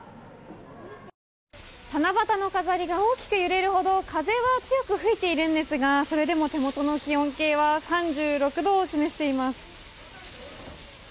七夕の飾りが大きく揺れるほど風は強く吹いているんですがそれでも手元の気温計は３６度を示しています。